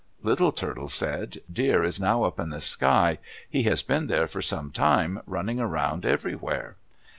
Little Turtle said, "Deer is now up in the sky. He has been there for some time, running around everywhere."